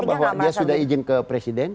bahwa dia sudah izin ke presiden